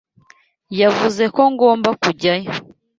Yavuze ko ngomba kujyayo.